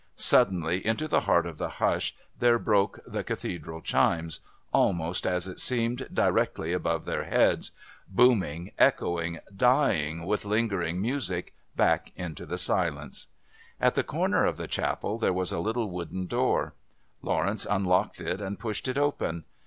Suddenly into the heart of the hush there broke the Cathedral chimes, almost, as it seemed, directly above their heads, booming, echoing, dying with lingering music back into the silence. At the corner of the Chapel there was a little wooden door; Lawrence unlocked it and pushed it open.